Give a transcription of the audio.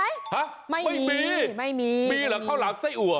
ฮะไม่มีไม่มีไม่มีไม่มีมีเหรอข้าวหลามไส้อั่ว